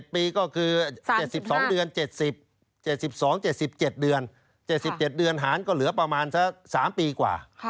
ปีก็คือ๗๒เดือน๗๐๗๒๗๗เดือน๗๗เดือนหารก็เหลือประมาณสัก๓ปีกว่า